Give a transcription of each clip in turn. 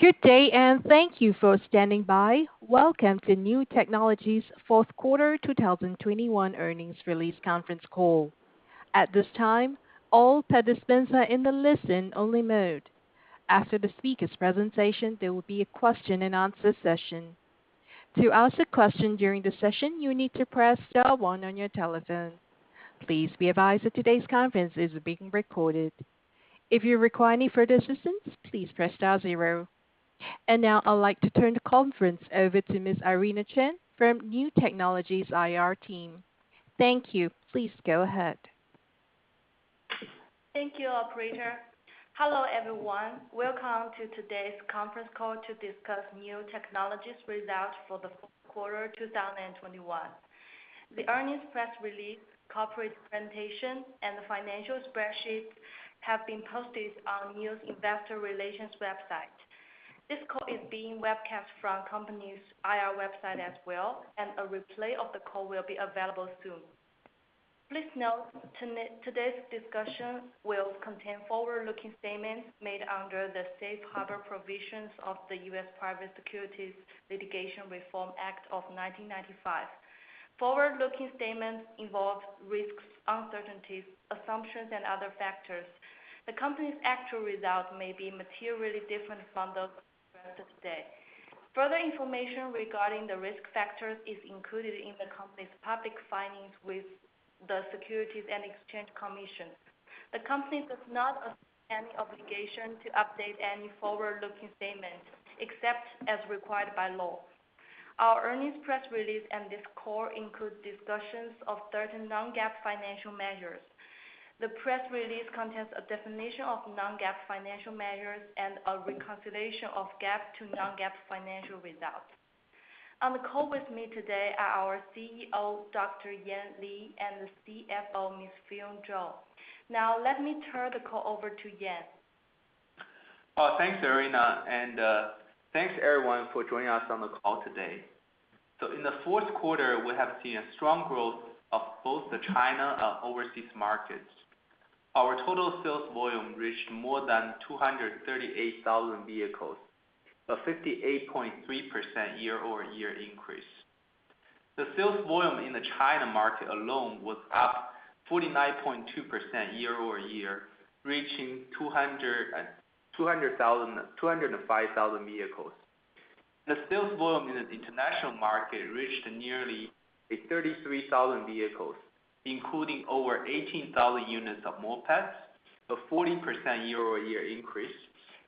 Good day, thank you for standing by. Welcome to Niu Technologies's fourth quarter 2021 earnings release conference call. At this time, all participants are in the listen-only mode. After the speakers' presentation, there will be a question-and-answer session. To ask a question during the session, you need to press star one on your telephone. Please be advised that today's conference is being recorded. If you require any further assistance, please press star zero. Now I'd like to turn the conference over to Ms. Irina Chen from Niu Technologies IR team. Thank you. Please go ahead. Thank you, operator. Hello, everyone. Welcome to today's conference call to discuss Niu Technologies results for the fourth quarter 2021. The earnings press release, corporate presentation, and the financial spreadsheets have been posted on Niu's Investor Relations website. This call is being webcast from the company's IR website as well, and a replay of the call will be available soon. Please note, today's discussion will contain forward-looking statements made under the safe harbor provisions of the U.S. Private Securities Litigation Reform Act of 1995. Forward-looking statements involve risks, uncertainties, assumptions, and other factors. The company's actual results may be materially different from those expressed today. Further information regarding the risk factors is included in the company's public filings with the Securities and Exchange Commission. The company does not assume any obligation to update any forward-looking statements, except as required by law. Our earnings press release and this call include discussions of certain non-GAAP financial measures. The press release contains a definition of non-GAAP financial measures and a reconciliation of GAAP to non-GAAP financial results. On the call with me today are our CEO, Dr. Yan Li, and the CFO, Ms. Fion Zhou. Now, let me turn the call over to Yan. Thanks, Irina, and thanks everyone for joining us on the call today. In the fourth quarter, we have seen a strong growth of both the China and overseas markets. Our total sales volume reached more than 238,000 vehicles, a 58.3% year-over-year increase. The sales volume in the China market alone was up 49.2% year-over-year, reaching 205,000 vehicles. The sales volume in the international market reached nearly 33,000 vehicles, including over 18,000 units of mopeds, a 40% year-over-year increase,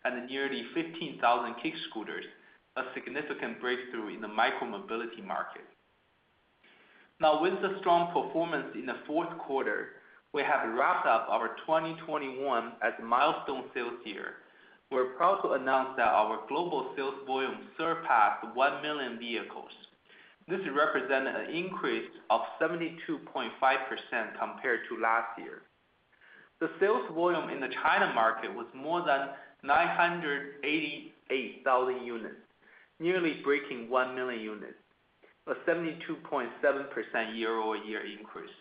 and nearly 15,000 kick scooters, a significant breakthrough in the micro-mobility market. Now, with the strong performance in the fourth quarter, we have wrapped up our 2021 as a milestone sales year. We're proud to announce that our global sales volume surpassed 1 million vehicles. This represents an increase of 72.5% compared to last year. The sales volume in the China market was more than 988,000 units, nearly breaking 1 million units, a 72.7% year-over-year increase,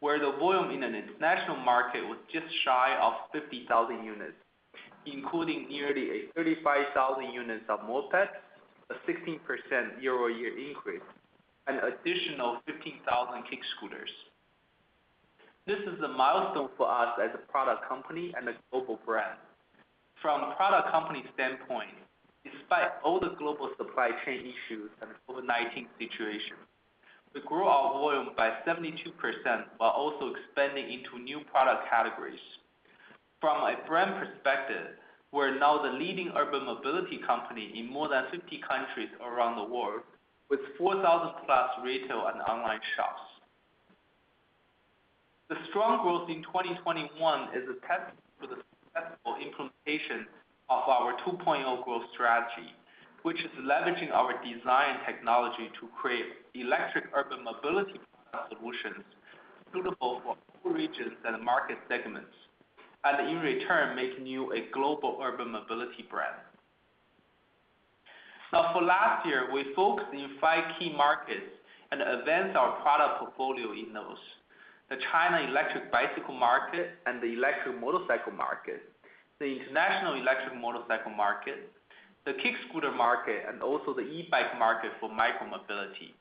while the volume in the international market was just shy of 50,000 units, including nearly 35,000 units of mopeds, a 16% year-over-year increase, an additional 15,000 kick scooters. This is a milestone for us as a product company and a global brand. From product company standpoint, despite all the global supply chain issues and the COVID-19 situation, we grew our volume by 72% while also expanding into new product categories. From a brand perspective, we're now the leading urban mobility company in more than 50 countries around the world with 4,000-plus retail and online shops. The strong growth in 2021 is a testament to the successful implementation of our 2.0 growth strategy, which is leveraging our design technology to create electric urban mobility product solutions suitable for all regions and market segments, and in return, making Niu a global urban mobility brand. Now, for last year, we focused in 5 key markets and advanced our product portfolio in those. The China electric bicycle market and the electric motorcycle market, the international electric motorcycle market, the kick scooter market, and also the e-bike market for micro-mobility.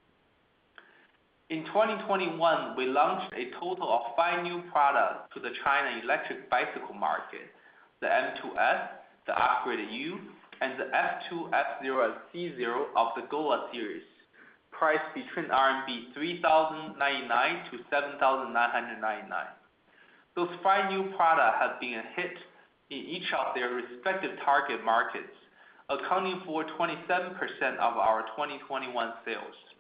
In 2021, we launched a total of 5 new products to the China electric bicycle market, the M2S, the upgraded U, and the S2, S0, and C0 of the Gova series, priced between 3,099-7,999 RMB. Those 5 new products have been a hit in each of their respective target markets, accounting for 27% of our 2021 sales.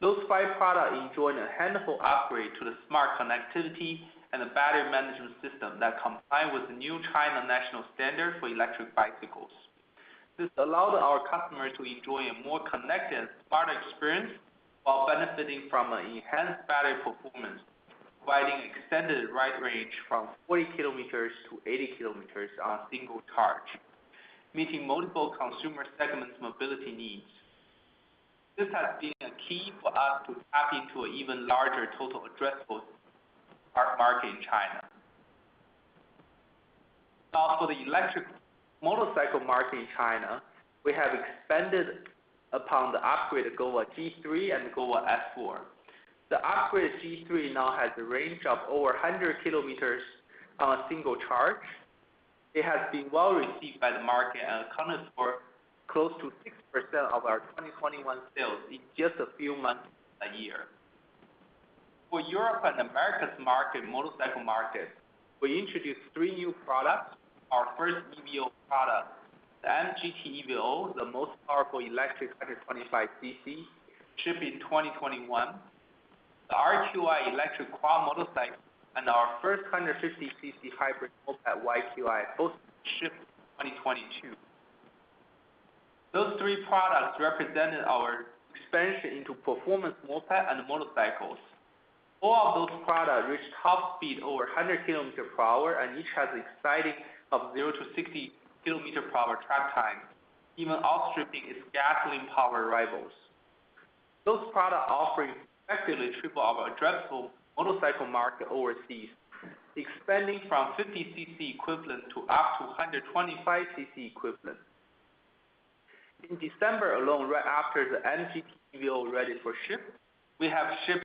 Those 5 products enjoy a handful upgrade to the smart connectivity and the battery management system that comply with the new China national standard for electric bicycles. This allowed our customers to enjoy a more connected and smarter experience while benefiting from an enhanced battery performance, providing extended ride range from 40 km to 80 km on a single charge, meeting multiple consumer segments mobility needs. This has been a key for us to tap into even larger total addressable market in China. Now for the electric motorcycle market in China, we have expanded upon the upgraded GOVA G3 and GOVA S4. The upgraded G3 now has a range of over 100 km on a single charge. It has been well received by the market and accounted for close to 6% of our 2021 sales in just a few months a year. For Europe and Americas market, motorcycle market, we introduced three new products. Our first EVO product, the NQi GT EVO, the most powerful electric 125cc, shipped in 2021. The RQi electric motorcycle and our first 150 cc hybrid moped YQi both shipped in 2022. Those three products represented our expansion into performance mopeds and motorcycles. All of those products reached top speed over 100 km/h, and each has acceleration 0-60 km/h time, even outstripping its gasoline-powered rivals. Those product offerings effectively triple our addressable motorcycle market overseas, expanding from 50 cc equivalent to up to 125 cc equivalent. In December alone, right after the NQi GT EVO was ready to ship, we have shipped-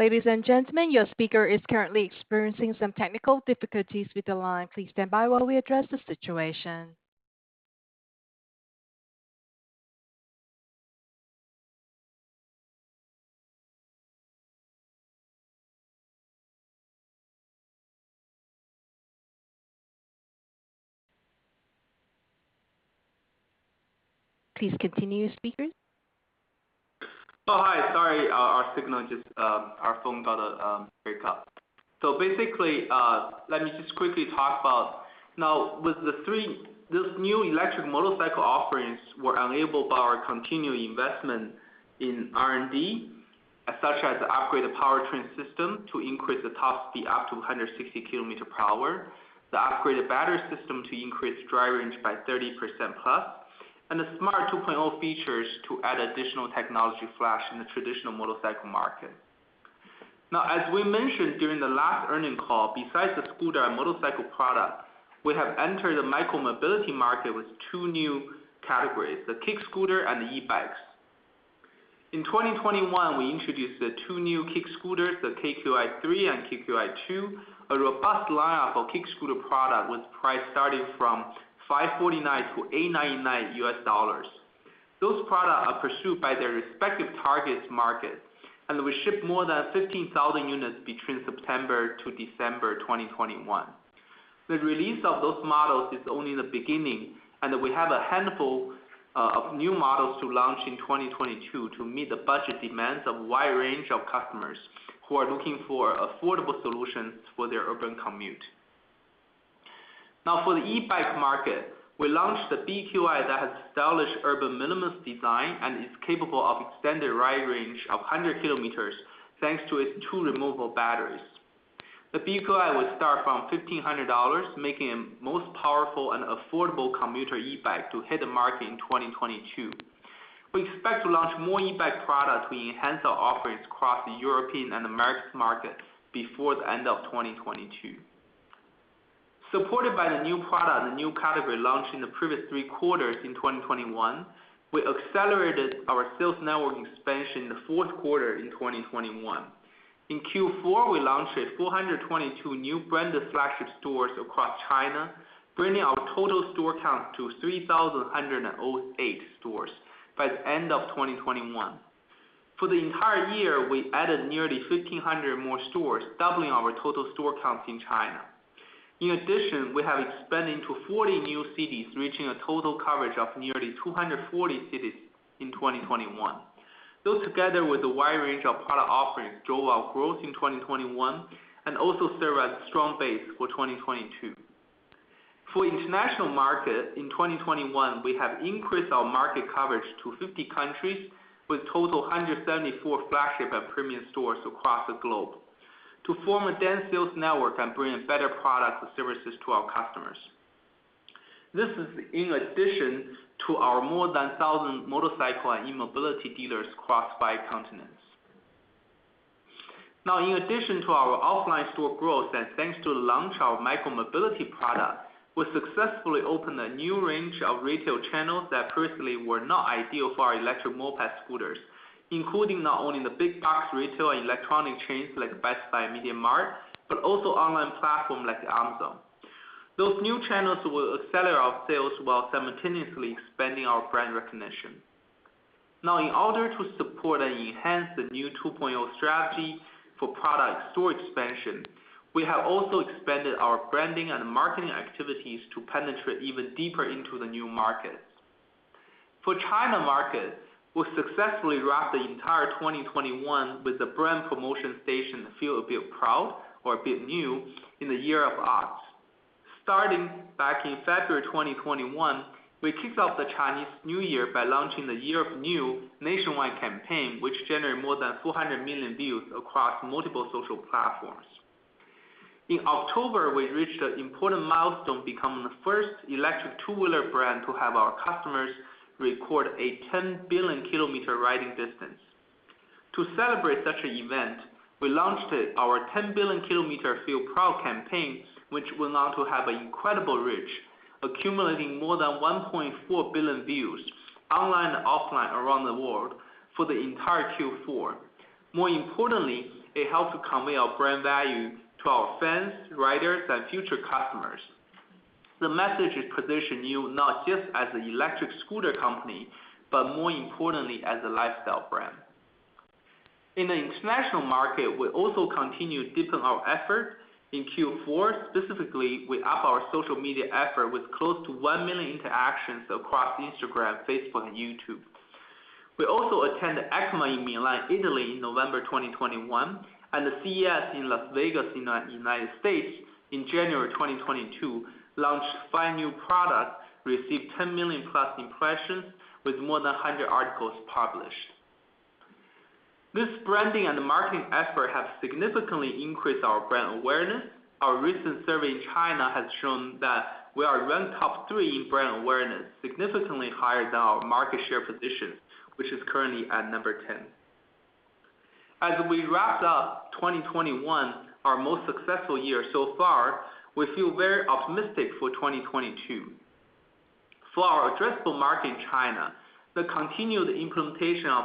Ladies and gentlemen, your speaker is currently experiencing some technical difficulties with the line. Please stand by while we address the situation. Please continue, speaker. Sorry, our signal just broke up. Basically, let me just quickly talk about Niu's three new electric motorcycle offerings. These new electric motorcycle offerings were enabled by our continuing investment in R&D, such as the upgraded powertrain system to increase the top speed up to 160 km/h, the upgraded battery system to increase drive range by 30%+, and the smart 2.0 features to add additional technology flair in the traditional motorcycle market. Now, as we mentioned during the last earnings call, besides the scooter and motorcycle product, we have entered the micro-mobility market with two new categories, the kick scooter and e-bikes. In 2021, we introduced the two new kick scooters, the KQi3 and KQi2, a robust lineup of kick scooter product with price starting from $549-$899. Those products are pursued by their respective target markets, and we ship more than 15,000 units between September to December 2021. The release of those models is only the beginning, and we have a handful of new models to launch in 2022 to meet the budget demands of a wide range of customers who are looking for affordable solutions for their urban commute. Now, for the e-bike market, we launched the BQi that has established urban minimalist design and is capable of extended ride range of 100 km, thanks to its two removable batteries. The BQi will start from $1,500, making it most powerful and affordable commuter e-bike to hit the market in 2022. We expect to launch more e-bike products to enhance our offerings across the European and the Americas markets before the end of 2022. Supported by the new product and the new category launched in the previous three quarters in 2021, we accelerated our sales network expansion in the fourth quarter in 2021. In Q4, we launched 422 new branded flagship stores across China, bringing our total store count to 3,108 stores by the end of 2021. For the entire year, we added nearly 1,500 more stores, doubling our total store counts in China. In addition, we have expanded into 40 new cities, reaching a total coverage of nearly 240 cities in 2021. Those, together with a wide range of product offerings, drove our growth in 2021 and also serve as strong base for 2022. For international market, in 2021, we have increased our market coverage to 50 countries with total 174 flagship and premium stores across the globe to form a dense sales network and bring better products and services to our customers. This is in addition to our more than 1,000 motorcycle and e-mobility dealers across five continents. Now, in addition to our offline store growth, and thanks to the launch of micro-mobility product, we successfully opened a new range of retail channels that previously were not ideal for our electric moped scooters, including not only the big box retail electronic chains like Best Buy and MediaMarkt, but also online platform like Amazon. Those new channels will accelerate our sales while simultaneously expanding our brand recognition. Now, in order to support and enhance the new 2.0 strategy for product store expansion, we have also expanded our branding and marketing activities to penetrate even deeper into the new markets. For China markets, we successfully wrapped the entire 2021 with the brand promotion station, the Feel a Bit Proud or a Bit New in the Year of the Ox. Starting back in February 2021, we kicked off the Chinese New Year by launching the Year of Niu nationwide campaign, which generated more than 400 million views across multiple social platforms. In October, we reached an important milestone, becoming the first electric two-wheeler brand to have our customers record a 10 billion kilometer riding distance. To celebrate such an event, we launched our 10 billion kilometer Feel Proud campaign, which went on to have an incredible reach, accumulating more than 1.4 billion views online and offline around the world for the entire Q4. More importantly, it helped convey our brand value to our fans, riders, and future customers. The message is, position Niu not just as an electric scooter company, but more importantly, as a lifestyle brand. In the international market, we also continued deepening our efforts. In Q4, specifically, we upped our social media effort with close to 1 million interactions across Instagram, Facebook, and YouTube. We also attended EICMA in Milan, Italy in November 2021, and the CES in Las Vegas in the United States in January 2022. We launched five new products, received 10 million-plus impressions with more than 100 articles published. This branding and marketing effort has significantly increased our brand awareness. Our recent survey in China has shown that we are ranked top three in brand awareness, significantly higher than our market share position, which is currently at number 10. As we wrapped up 2021, our most successful year so far, we feel very optimistic for 2022. For our addressable market in China, the continued implementation of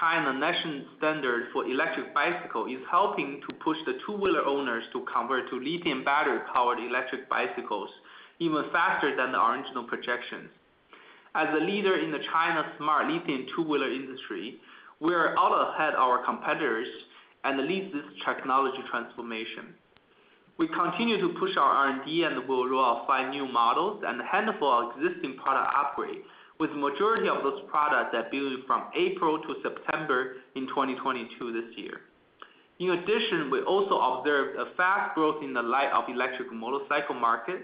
China national standard for electric bicycle is helping to push the two-wheeler owners to convert to lithium battery-powered electric bicycles even faster than the original projections. As a leader in the China smart lithium two-wheeler industry, we are well ahead of our competitors and lead this technology transformation. We continue to push our R&D, and we'll roll out five new models and a handful of existing product upgrades, with majority of those products debuted from April to September in 2022 this year. In addition, we also observed a fast growth in the light electric motorcycle market,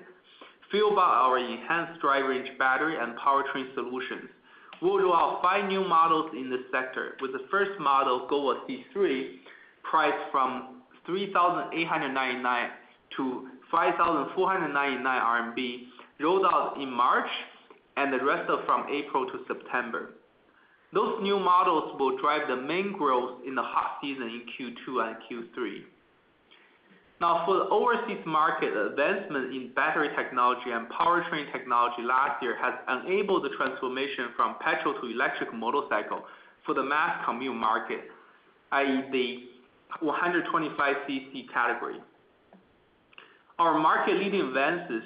fueled by our enhanced driving range battery and powertrain solutions. We'll roll out 5 new models in this sector, with the first model, GOVA C3, priced from 3,899-5,499 RMB, rolled out in March, and the rest are from April to September. Those new models will drive the main growth in the hot season in Q2 and Q3. Now, for the overseas market, the advancement in battery technology and powertrain technology last year has enabled the transformation from petrol to electric motorcycle for the mass commute market, i.e., the 125 cc category. Our market leading advances,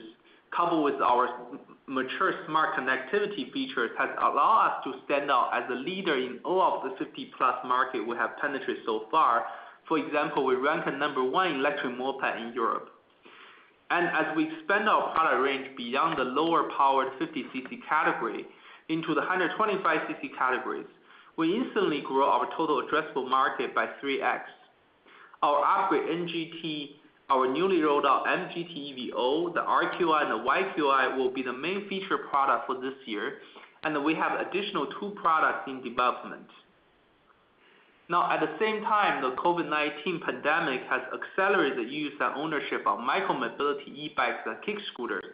coupled with our mature smart connectivity features, has allowed us to stand out as a leader in all of the 50+ markets we have penetrated so far. For example, we ranked at number one in electric moped in Europe. As we expand our product range beyond the lower powered 50 cc category into the 125 cc categories, we instantly grow our total addressable market by 3x. Our upgraded NQi GT, our newly rolled out MQi GT EVO, the RQi and the YQi will be the main feature product for this year, and we have additional two products in development. Now, at the same time, the COVID-19 pandemic has accelerated the use and ownership of micro-mobility e-bikes and kick scooters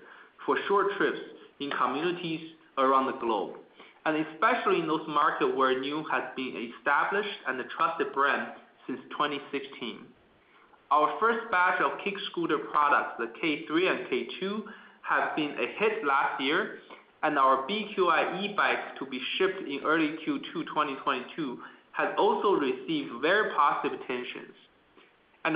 for short trips in communities around the globe, and especially in those markets where Niu has been established and a trusted brand since 2016. Our first batch of kick scooter products, the KQi3 and KQi2, have been a hit last year, and our BQi e-bikes to be shipped in early Q2 2022, has also received very positive attentions.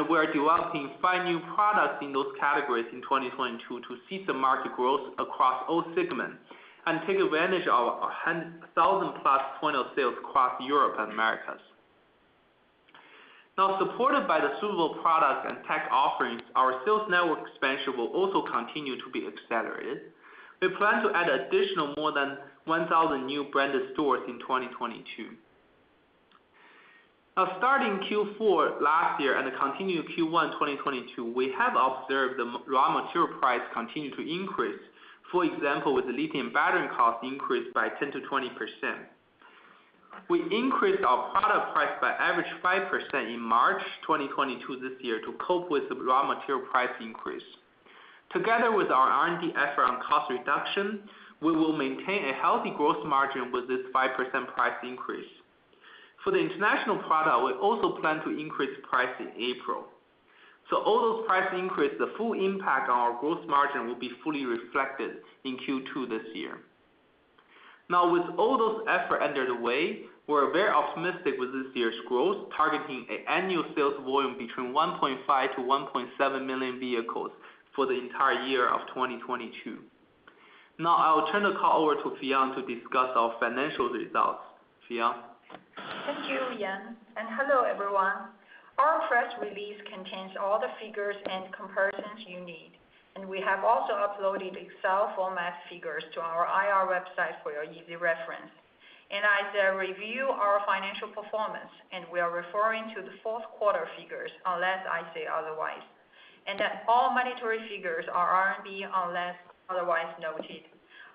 We're developing five new products in those categories in 2022 to seize the market growth across all segments and take advantage of a hundred thousand-plus points of sale across Europe and Americas. Supported by the suitable products and tech offerings, our sales network expansion will also continue to be accelerated. We plan to add additional more than 1,000 new branded stores in 2022. Starting Q4 last year and continuing Q1 2022, we have observed the raw material price continue to increase. For example, the lithium battery cost increased by 10%-20%. We increased our product price by average 5% in March 2022 this year to cope with the raw material price increase. Together with our R&D effort on cost reduction, we will maintain a healthy growth margin with this 5% price increase. For the international product, we also plan to increase price in April. All those price increases, the full impact on our gross margin will be fully reflected in Q2 this year. Now, with all those efforts underway, we're very optimistic with this year's growth, targeting an annual sales volume between 1.5-1.7 million vehicles for the entire year of 2022. Now, I will turn the call over to Fion to discuss our financial results. Fion? Thank you, Yan Li, and hello, everyone. Our press release contains all the figures and comparisons you need, and we have also uploaded Excel format figures to our IR website for your easy reference. As I review our financial performance, and we are referring to the fourth quarter figures, unless I say otherwise, and that all monetary figures are RMB unless otherwise noted.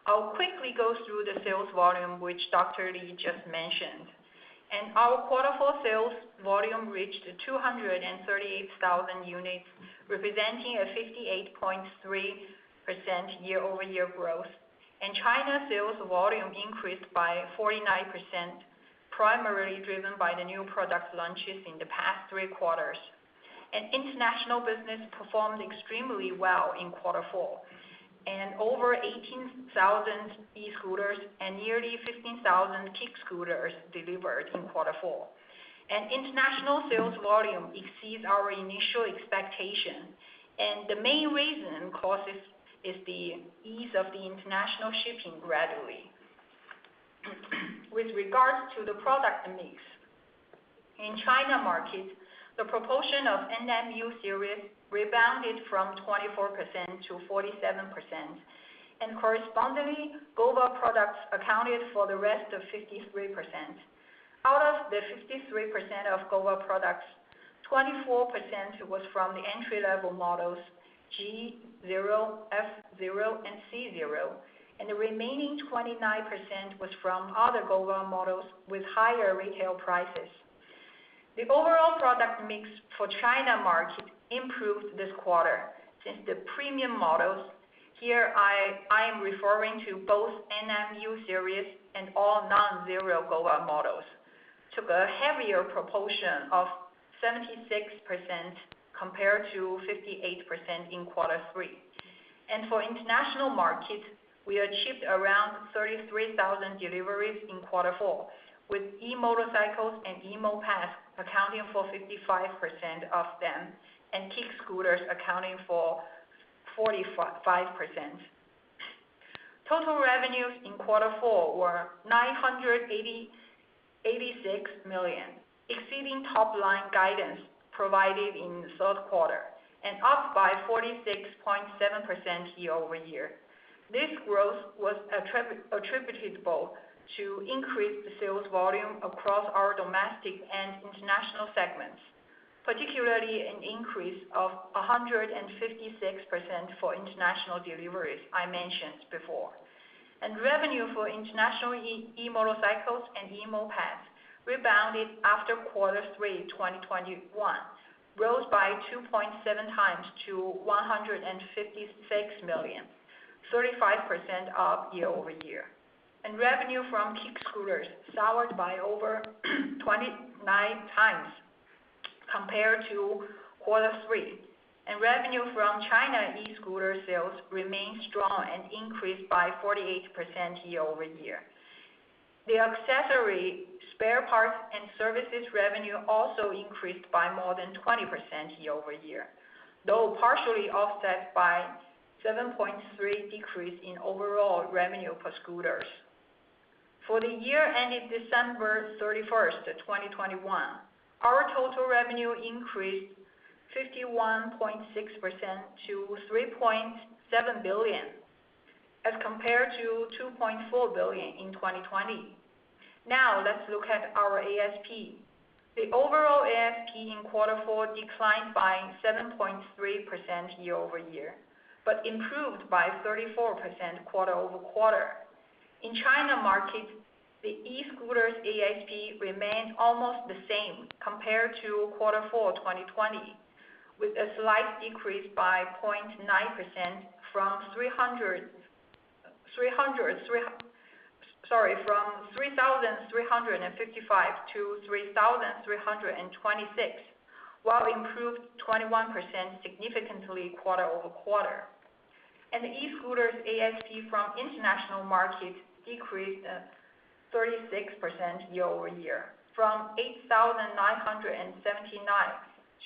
I'll quickly go through the sales volume, which Dr. Yan Li just mentioned. Our quarter four sales volume reached 238,000 units, representing a 58.3% year-over-year growth. China sales volume increased by 49%, primarily driven by the new product launches in the past three quarters. International business performed extremely well in quarter four, and over 18,000 e-scooters and nearly 15,000 kick scooters delivered in quarter four. International sales volume exceeds our initial expectation, and the main reason is the ease of the international shipping gradually. With regards to the product mix, in China market, the proportion of NIU series rebounded from 24%-47%, and correspondingly, global products accounted for the rest of 53%. Out of the 53% of global products, 24% was from the entry-level models G0, F0, and C0, and the remaining 29% was from other global models with higher retail prices. The overall product mix for China market improved this quarter since the premium models, here I am referring to both NIU series and all non-zero global models, took a heavier proportion of 76% compared to 58% in quarter three. For international markets, we achieved around 33,000 deliveries in quarter four, with e-motorcycles and e-mopeds accounting for 55% of them, and kick scooters accounting for 45%. Total revenues in quarter four were 986 million, exceeding top line guidance provided in the third quarter and up by 46.7% year-over-year. This growth was attributable to increased sales volume across our domestic and international segments, particularly an increase of 156% for international deliveries I mentioned before. Revenue for international e-motorcycles and e-mopeds rebounded after quarter three, 2021, rose by 2.7x to CNY 156 million, 35% up year-over-year. Revenue from kick scooters soared by over 29x compared to quarter three. Revenue from China e-scooter sales remained strong and increased by 48% year-over-year. The accessory spare parts and services revenue also increased by more than 20% year-over-year, though partially offset by 7.3% decrease in overall revenue per scooters. For the year ending December 31, 2021, our total revenue increased 51.6% to 3.7 billion, as compared to 2.4 billion in 2020. Now, let's look at our ASP. The overall ASP in quarter four declined by 7.3% year-over-year, but improved by 34% quarter-over-quarter. In China market, the e-scooters ASP remained almost the same compared to quarter four, 2020, with a slight decrease by 0.9% from 3,355-3,326, while improved 21% significantly quarter-over-quarter. The e-scooters ASP from international market decreased 36% year-over-year from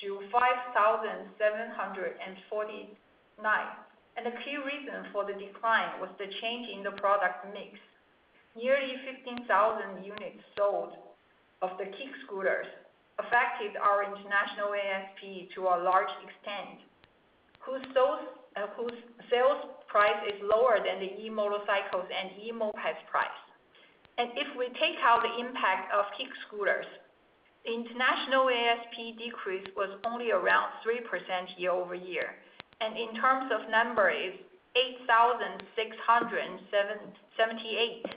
8,979-5,749. The key reason for the decline was the change in the product mix. Nearly 15,000 units sold of the kick scooters affected our international ASP to a large extent, whose sales price is lower than the e-motorcycles and e-mopeds price. If we take out the impact of kick scooters, the international ASP decrease was only around 3% year-over-year. In terms of numbers, 8,678.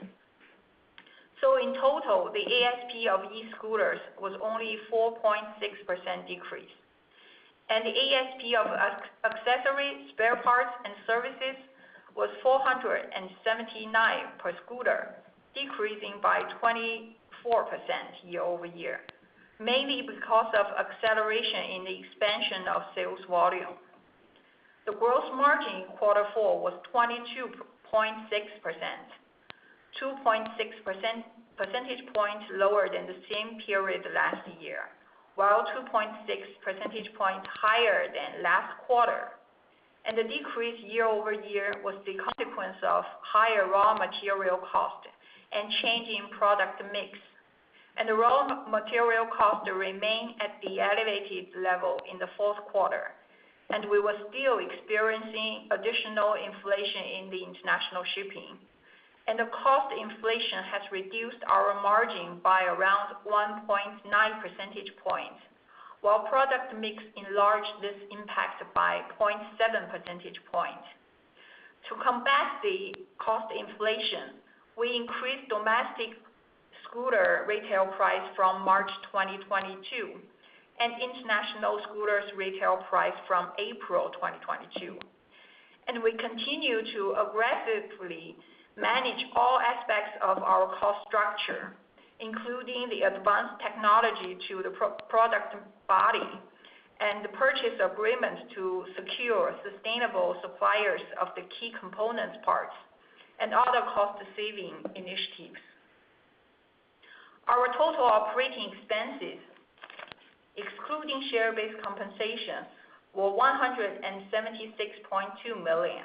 In total, the ASP of e-scooters was only 4.6% decrease. The ASP of accessories, spare parts, and services was 479 per scooter, decreasing by 24% year-over-year, mainly because of acceleration in the expansion of sales volume. The gross margin in quarter four was 22.6%, 2.6 percentage points lower than the same period last year, while 2.6 percentage points higher than last quarter. The decrease year-over-year was the consequence of higher raw material cost and change in product mix. The raw material cost remained at the elevated level in the fourth quarter, and we were still experiencing additional inflation in the international shipping. The cost inflation has reduced our margin by around 1.9 percentage points, while product mix enlarged this impact by 0.7 percentage points. To combat the cost inflation, we increased domestic scooter retail price from March 2022, and international scooters retail price from April 2022. We continue to aggressively manage all aspects of our cost structure, including the advanced technology to the pro-product body and the purchase agreement to secure sustainable suppliers of the key components parts and other cost-saving initiatives. Our total operating expenses, excluding share-based compensation, were 176.2 million,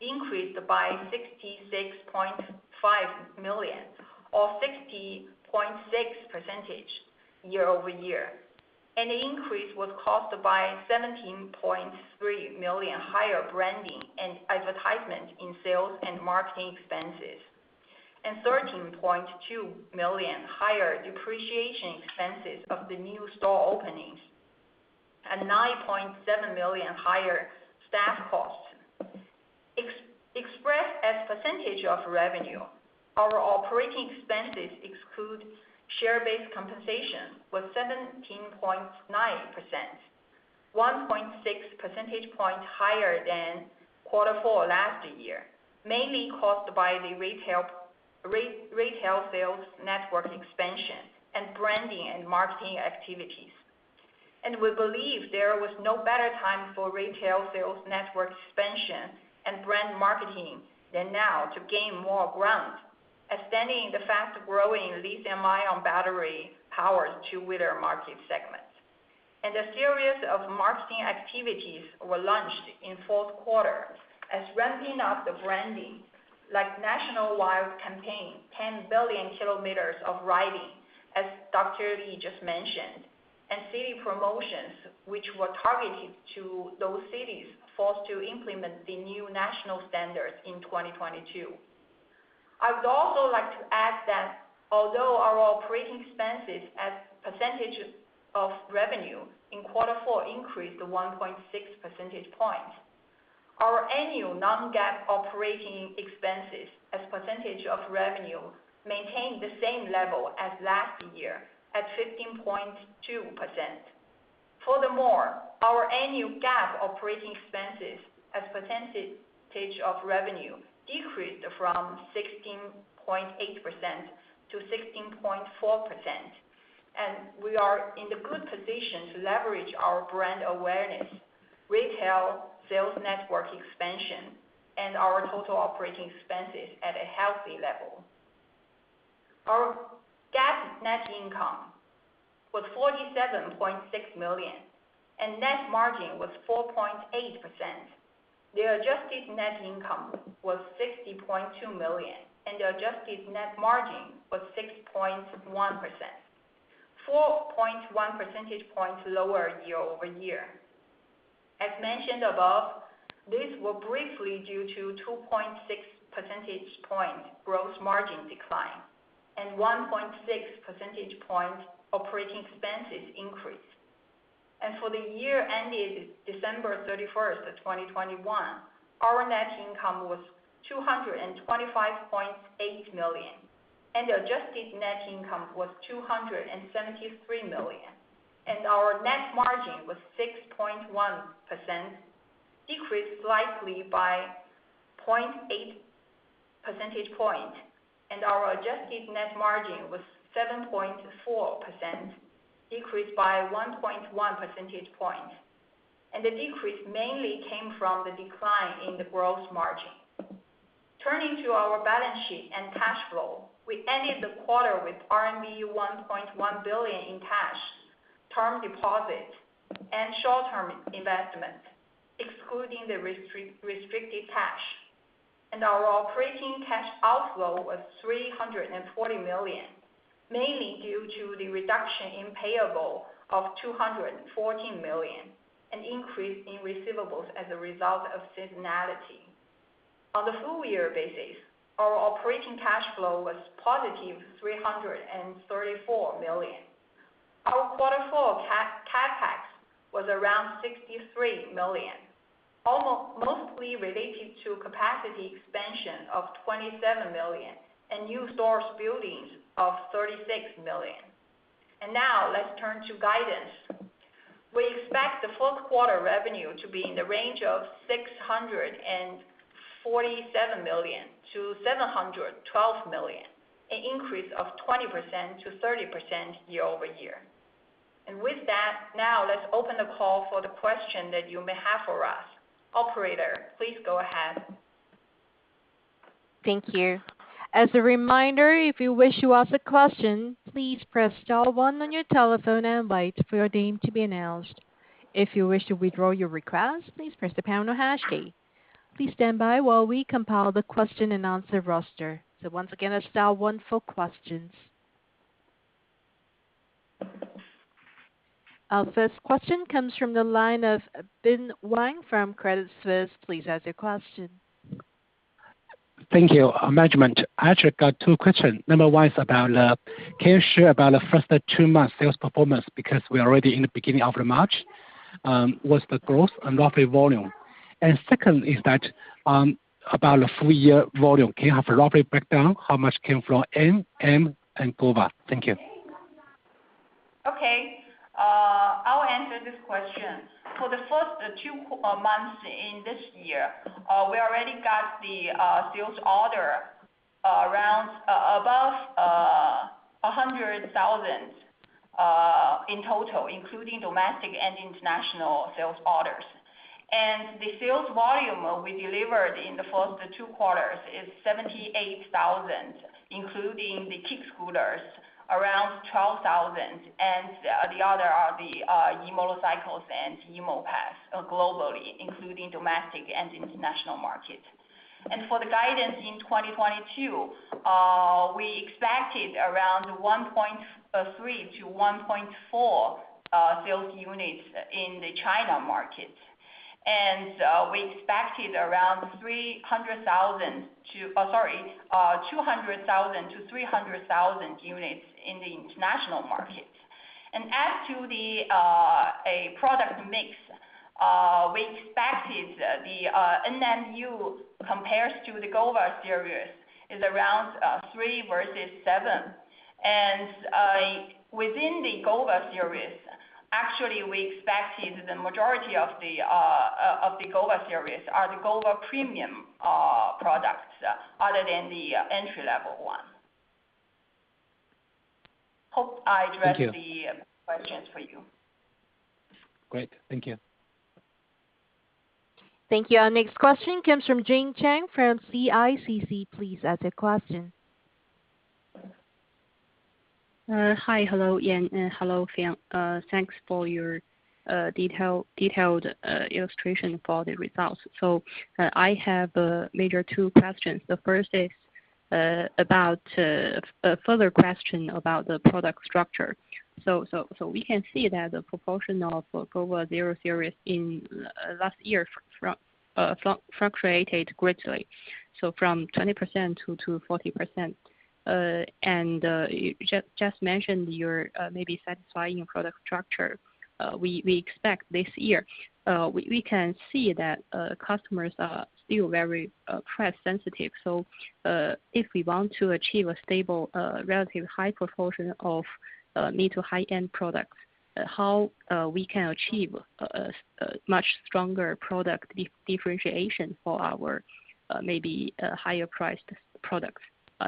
increased by 66.5 million or 60.6% year-over-year. The increase was caused by 17.3 million higher branding and advertisement in sales and marketing expenses, and 13.2 million higher depreciation expenses of the new store openings, and 9.7 million higher staff costs. Expressed as percentage of revenue, our operating expenses exclude share-based compensation was 17.9%, 1.6 percentage point higher than quarter four last year, mainly caused by the retail sales network expansion and branding and marketing activities. We believe there was no better time for retail sales network expansion and brand marketing than now to gain more ground, extending the fast-growing lithium-ion battery power to wider market segments. A series of marketing activities were launched in fourth quarter as ramping up the branding, like nationwide campaign, 10 billion kilometers of riding, as Dr. Li just mentioned, and city promotions, which were targeted to those cities forced to implement the new national standards in 2022. I would also like to add that although our operating expenses as percentage of revenue in quarter four increased 1.6 percentage points, our annual non-GAAP operating expenses as percentage of revenue maintained the same level as last year at 15.2%. Furthermore, our annual GAAP operating expenses as percentage of revenue decreased from 16.8%-16.4%, and we are in the good position to leverage our brand awareness, retail sales network expansion, and our total operating expenses at a healthy level. Our GAAP net income was 47.6 million, and net margin was 4.8%. The adjusted net income was 60.2 million, and the adjusted net margin was 6.1%, 4.1 percentage points lower year over year. As mentioned above, this was briefly due to 2.6 percentage point gross margin decline and 1.6 percentage point operating expenses increase. For the year ended December 31, 2021, our net income was 225.8 million, and adjusted net income was 273 million. Our net margin was 6.1%, decreased slightly by 0.8 percentage point. Our adjusted net margin was 7.4%, decreased by 1.1 percentage point. The decrease mainly came from the decline in the gross margin. Turning to our balance sheet and cash flow, we ended the quarter with RMB 1.1 billion in cash, term deposit, and short-term investment, excluding the restricted cash. Our operating cash outflow was 340 million, mainly due to the reduction in payable of 214 million and increase in receivables as a result of seasonality. On the full year basis, our operating cash flow was +334 million. Quarter four CapEx was around 63 million, mostly related to capacity expansion of 27 million and new store buildings of 36 million. Now let's turn to guidance. We expect the fourth quarter revenue to be in the range of 647 million-712 million, an increase of 20%-30% year-over-year. With that, now let's open the call for the question that you may have for us. Operator, please go ahead. Our first question comes from the line of Ben Wang from Credit Suisse. Please ask your question. Thank you. Management, I actually got two questions. Number one is about can you share about the first two months sales performance because we're already in the beginning of March, what's the growth and roughly volume? And second is that about the full year volume. Can you have a roughly breakdown how much came from N, M, and GOVA? Thank you. Okay. I'll answer this question. For the first two months in this year, we already got the sales order around 100,000 in total, including domestic and international sales orders. The sales volume we delivered in the first two quarters is 78,000, including the kick scooters, around 12,000 and the other are the electric motorcycles and e-mopeds globally, including domestic and international markets. For the guidance in 2022, we expected around 1.3-1.4 sales units in the China market. We expected around 200,000-300,000 units in the international market. As to the product mix, we expected the N/M/U compared to the GOVA series is around three versus seven. Within the GOVA series, actually, we expected the majority of the GOVA series are the GOVA premium products other than the entry-level one. Hope I addressed- Thank you. the questions for you. Great. Thank you. Thank you. Our next question comes from Jane Chang from CICC. Please ask the question. Hi. Hello, Yan. Hello, Fion. Thanks for your detailed illustration for the results. I have two major questions. The first is about a further question about the product structure. We can see that the proportion of GOVA Zero series in last year fluctuated greatly, from 20%-40%. And you just mentioned you're maybe satisfying product structure. We expect this year we can see that customers are still very price-sensitive. If we want to achieve a stable relatively high proportion of mid to high-end products, how we can achieve a much stronger product differentiation for our maybe higher priced products?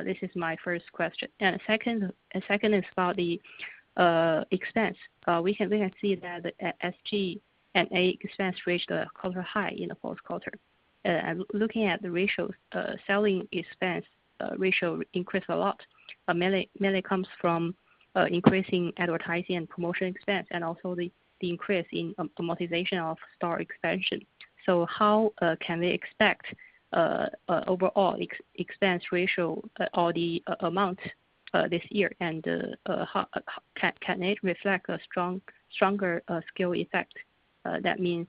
This is my first question. Second is about the expense. We can see that SG&A expense ratio are high in the fourth quarter. Looking at the ratios, selling expense ratio increased a lot. Mainly comes from increasing advertising and promotion expense and also the increase in amortization of store expansion. How can we expect overall expense ratio or the amount this year? How can it reflect a stronger scale effect? That means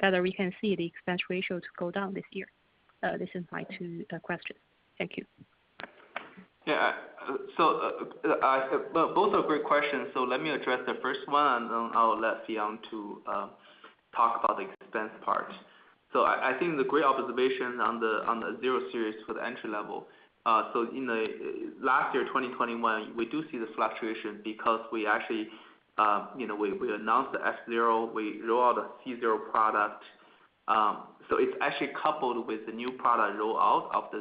whether we can see the expense ratio to go down this year. This is my two questions. Thank you. Both are great questions. Let me address the first one, and then I'll let Fion talk about the expense part. I think the great observation on the G0 series for the entry level. In last year, 2021, we do see the fluctuation because we actually, you know, we announced the F0, we roll out a C0 product. It's actually coupled with the new product rollout of the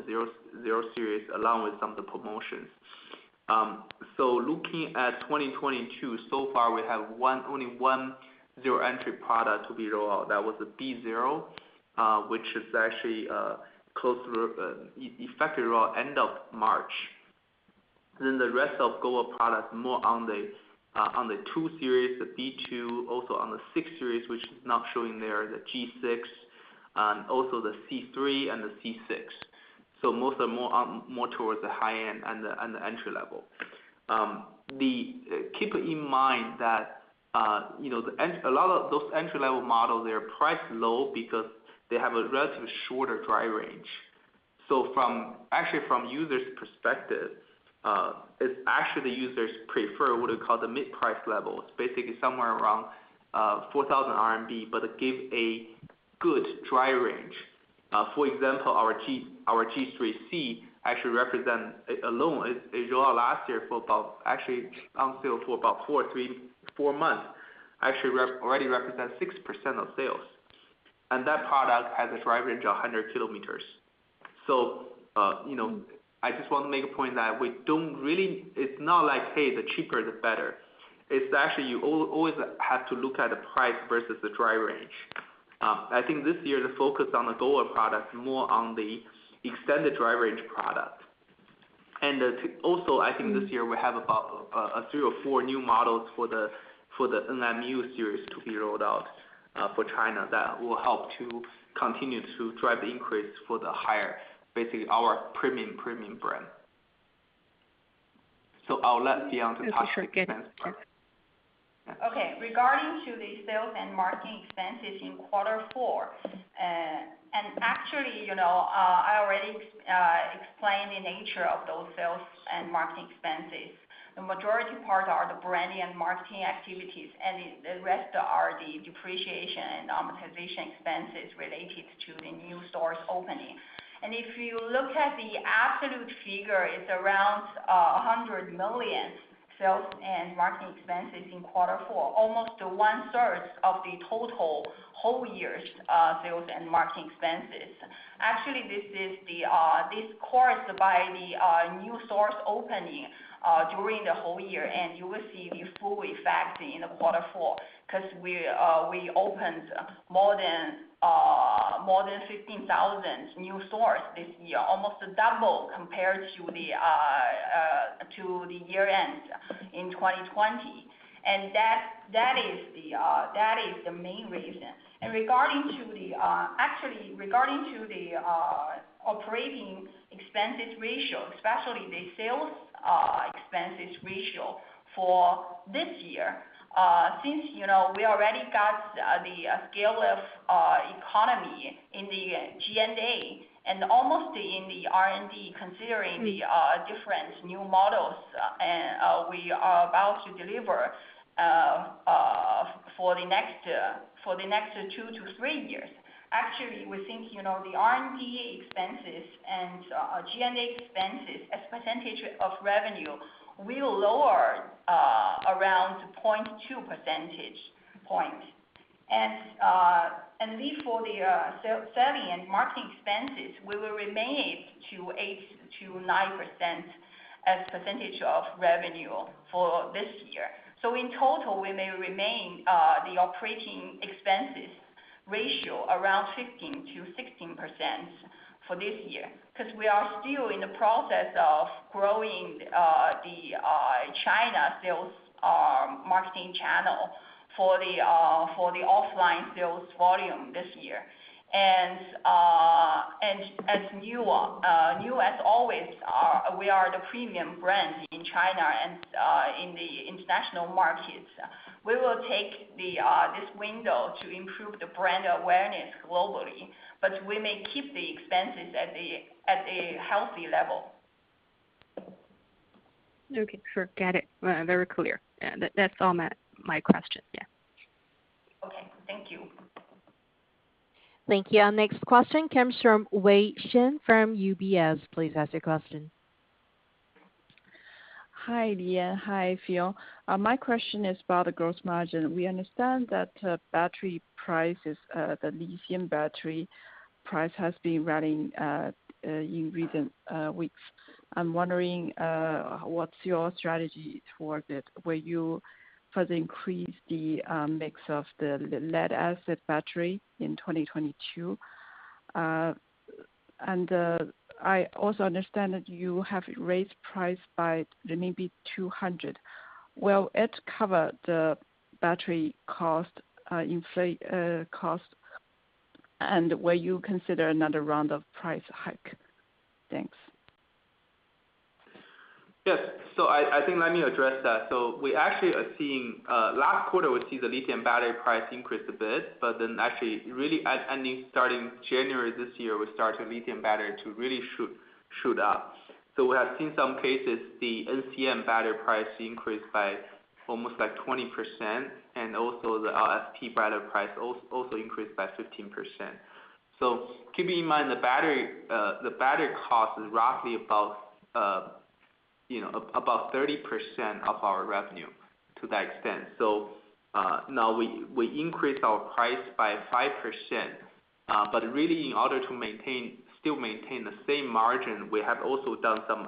G0 series, along with some of the promotions. Looking at 2022, so far we have only one G0 entry product to be rolled out. That was the P0, which is actually close to effective rollout end of March. The rest of GOVA products, more on the Two series, the B2, also on the Six series, which is not showing there, the G6, also the C3 and the C6. Most are more towards the high-end and the entry level. Keep in mind that, you know, a lot of those entry-level models, they're priced low because they have a relatively shorter driving range. From the user's perspective, actually, it's actually the users prefer what we call the mid-price level. It's basically somewhere around 4,000 RMB, but it give a good drive range. For example, our GOVA C3 actually represent alone, it launched last year, actually on sale for about three to four months, actually already represent 6% of sales. That product has a drive range of 100 km. You know, I just want to make a point that we don't really. It's not like, hey, the cheaper, the better. It's actually you always have to look at the price versus the drive range. I think this year, the focus on the lower product is more on the extended drive range product. I think this year we have about three or four new models for the Niu series to be rolled out for China that will help to continue to drive the increase for the higher, basically our premium brand. I'll let Yan Li to talk to the expense part. Okay. Sure. Get it. Yeah. Okay. Regarding the sales and marketing expenses in quarter four, actually, you know, I already explained the nature of those sales and marketing expenses. The majority parts are the branding and marketing activities, and the rest are the depreciation and amortization expenses related to the new stores opening. If you look at the absolute figure, it's around 100 million sales and marketing expenses in quarter four, almost one-third of the total whole year's sales and marketing expenses. Actually, this was caused by the new stores opening during the whole year, and you will see the full effect in quarter four 'cause we opened more than 15,000 new stores this year, almost double compared to the year-end in 2020. That is the main reason. Regarding the operating expenses ratio, especially the sales expenses ratio for this year, since you know, we already got the economies of scale in the G&A and almost in the R&D considering the different new models, and we are about to deliver for the next two to three years. Actually, we think you know, the R&D expenses and G&A expenses as percentage of revenue will lower around 0.2 percentage point. Therefore the selling and marketing expenses will remain to 8%-9% as percentage of revenue for this year. In total, we may remain the operating expenses ratio around 15%-16% for this year, 'cause we are still in the process of growing the China sales marketing channel for the offline sales volume this year. And as Niu as always are, we are the premium brand in China and in the international markets. We will take this window to improve the brand awareness globally, but we may keep the expenses at a healthy level. Okay. Sure. Got it. Very clear. Yeah. That's all my question. Yeah. Okay. Thank you. Thank you. Our next question comes from Wei Shen from UBS. Please ask your question. Hi, Yan Li. Hi, Fion Zhou. My question is about the gross margin. We understand that battery prices, the lithium battery price has been rising in recent weeks. I'm wondering what's your strategy towards it? Will you further increase the mix of the lead acid battery in 2022? I also understand that you have raised price by 200. Will it cover the battery cost, and will you consider another round of price hike? Thanks. Yes. I think let me address that. We actually are seeing last quarter, we see the lithium battery price increase a bit, but then actually, really at ending starting January this year, we started lithium battery to really shoot up. We have seen some cases, the NCM battery price increased by almost like 20%, and also the LFP battery price also increased by 15%. Keeping in mind, the battery cost is roughly about 30% of our revenue to that extent. Now we increased our price by 5%, but really in order to maintain, still maintain the same margin, we have also done some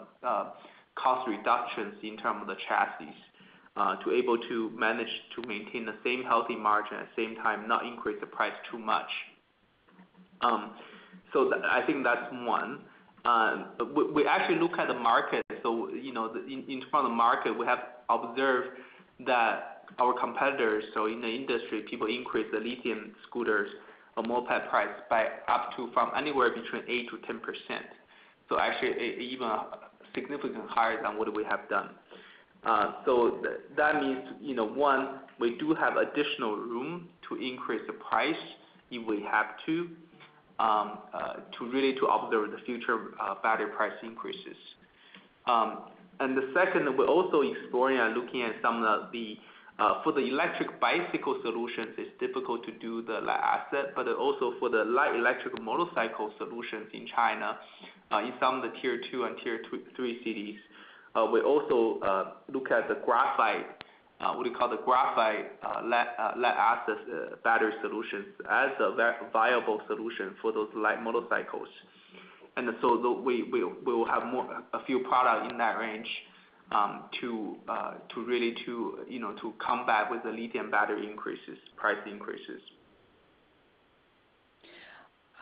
cost reductions in terms of the chassis, to be able to manage to maintain the same healthy margin, at the same time, not increase the price too much. I think that's one. We actually look at the market. You know, in front of market, we have observed that our competitors, so in the industry, people increase the lithium scooters or moped price by up to from anywhere between 8%-10%. Actually, even significantly higher than what we have done. That means, you know, one, we do have additional room to increase the price if we have to really observe the future battery price increases. We're also exploring and looking at some of the for the electric bicycle solutions. It's difficult to do the lead acid, but then also for the light electric motorcycle solutions in China, in some of the tier two and tier three cities, we also look at what we call the graphite lead acid battery solutions as a very viable solution for those light motorcycles. We will have a few products in that range to really, you know, to combat with the lithium battery price increases.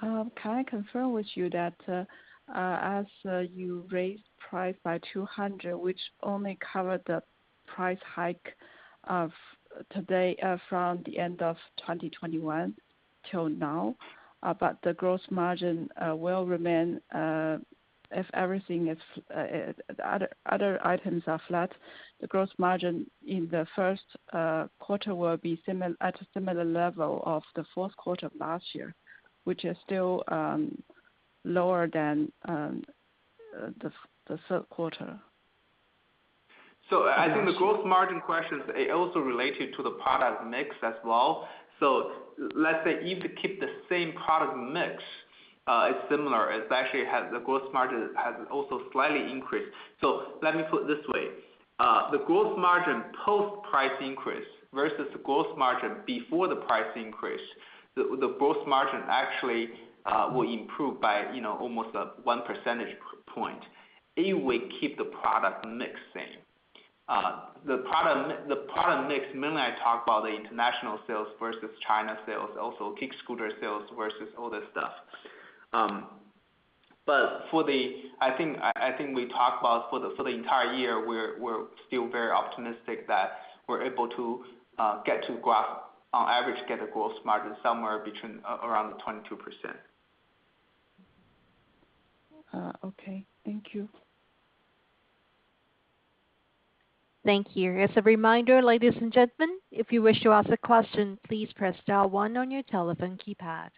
Can I confirm with you that as you raised price by 200, which only covered the price hike of today from the end of 2021 till now, but the gross margin will remain if other items are flat, the gross margin in the first quarter will be similar at a similar level of the fourth quarter of last year, which is still lower than the third quarter? I think the gross margin questions are also related to the product mix as well. Let's say if you keep the same product mix, it's similar. It's actually, the gross margin has also slightly increased. Let me put it this way. The gross margin post-price increase versus the gross margin before the price increase, the gross margin actually will improve by, you know, almost one percentage point if we keep the product mix same. The product mix mainly, I talk about the international sales versus China sales, also kick scooter sales versus all that stuff. But for the entire year, I think we talked about, we're still very optimistic that we're able to get, on average, a gross margin somewhere around the 22%. Okay. Thank you. Thank you. As a reminder, ladies and gentlemen, if you wish to ask a question, please press star one on your telephone keypad.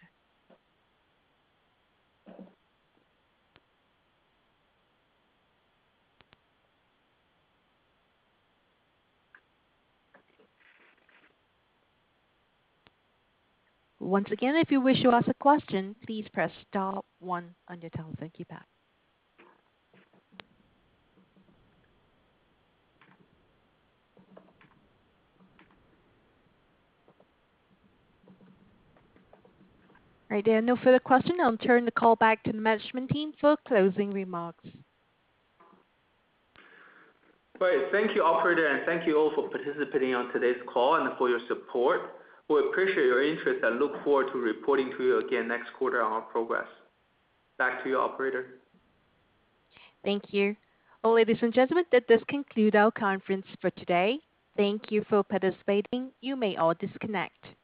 Once again, if you wish to ask a question, please press star one on your telephone keypad. All right. There are no further questions. I'll turn the call back to the management team for closing remarks. Great. Thank you, operator, and thank you all for participating on today's call and for your support. We appreciate your interest and look forward to reporting to you again next quarter on our progress. Back to you, operator. Thank you. Well, ladies and gentlemen, that does conclude our conference for today. Thank you for participating. You may all disconnect.